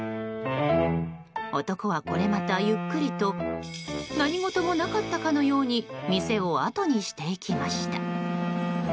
男はこれまたゆっくりと何事もなかったかのように店をあとにしていきました。